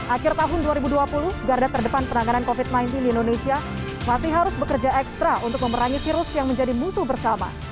akhir tahun dua ribu dua puluh garda terdepan penanganan covid sembilan belas di indonesia masih harus bekerja ekstra untuk memerangi virus yang menjadi musuh bersama